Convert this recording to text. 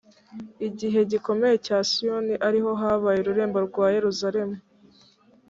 igihe gikomeye cya siyoni ari ho habaye ururembo rwa yeruzalemu